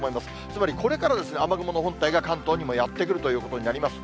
つまりこれから雨雲の本体が関東にもやって来るということになります。